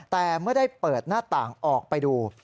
แต่เมื่อได้เปิดหน้าต่างออกไปดู